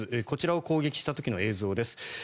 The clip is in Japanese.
こちらを攻撃した時の映像です。